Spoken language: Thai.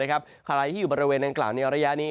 ใครที่อยู่บริเวณดังกล่าวในระยะนี้